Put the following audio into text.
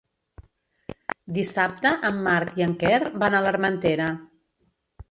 Dissabte en Marc i en Quer van a l'Armentera.